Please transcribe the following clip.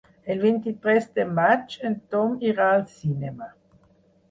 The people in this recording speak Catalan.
El vint-i-tres de maig en Tom irà al cinema.